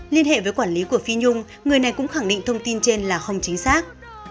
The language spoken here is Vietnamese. liên hệ với quản lý của phi nhung người này cũng khẳng định thông tin trên là không chính xác